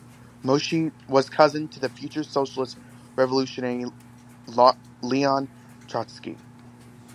Moshe was cousin to the future socialist revolutionary Leon Trotsky.